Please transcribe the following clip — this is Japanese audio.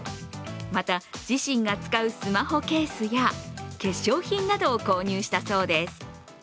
また、自身が使うスマホケースや化粧品などを購入したそうです。